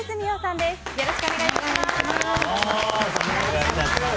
よろしくお願いします。